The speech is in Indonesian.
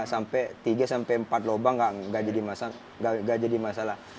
sampai tiga sampai empat lubang nggak jadi masalah